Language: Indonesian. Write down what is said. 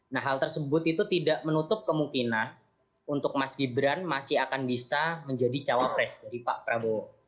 nah hal tersebut itu tidak menutup kemungkinan untuk mas gibran masih akan bisa menjadi cawapres dari pak prabowo